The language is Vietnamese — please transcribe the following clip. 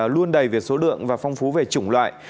luôn đầy về số lượng và phong phú về chủng loại